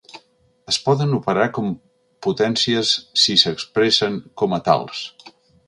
Es poden operar com potències si s'expressen com a tals.